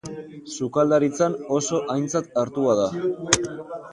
Sukaldaritzan oso aintzat hartua da.